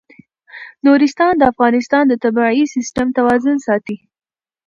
نورستان د افغانستان د طبعي سیسټم توازن ساتي.